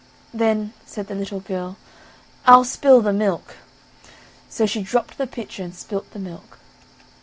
"Then," said the little girl, "I'll spill the milk," so she dropt the pitcher and spilt the milk.